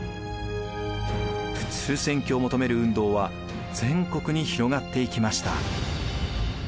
普通選挙を求める運動は全国に広がっていきました。